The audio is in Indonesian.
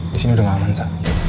disini udah gak aman sa